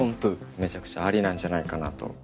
めちゃくちゃありなんじゃないかなと。